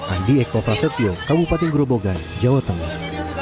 andi eko prasetyo kabupaten grobogan jawa tengah